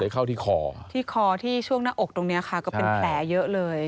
เข้าที่คอที่คอที่ช่วงหน้าอกตรงนี้ค่ะก็เป็นแผลเยอะเลย